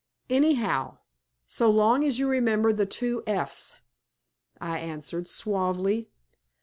"Anyhow, so long as you remember the two F's!" I answered, suavely.